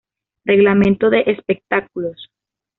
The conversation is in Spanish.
Reglamento de Espectáculos.